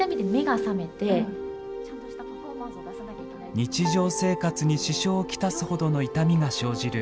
日常生活に支障を来すほどの痛みが生じる